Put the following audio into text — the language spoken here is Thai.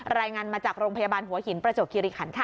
รายงานมาจากโรงพยาบาลหัวหินประจวบคิริขันค่ะ